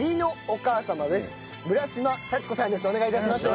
お願い致します。